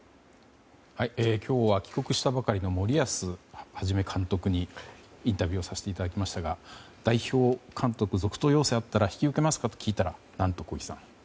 今日は帰国したばかりの森保一監督にインタビューをさせていただきましたが代表監督続投要請があったら引き受けますかと聞いたら何と、小木さん。